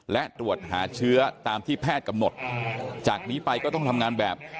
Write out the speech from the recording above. และตรวจหาเชื้อตามที่แพทย์กำหนดจากนี้ไปก็ต้องทำงานแบบ